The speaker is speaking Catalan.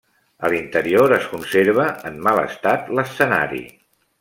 A l'interior, es conserva en mal estat l'escenari.